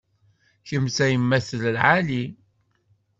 Kemm d tayemmat n lεali.